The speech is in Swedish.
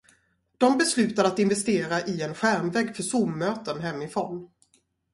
De beslutade att investera i en skärmvägg för zoom-möten hemifrån.